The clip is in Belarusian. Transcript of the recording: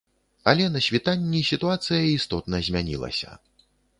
Але на світанні сітуацыя істотна змянілася.